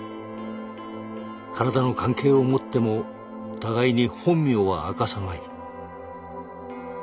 体の関係を持っても互いに本名は明かさない。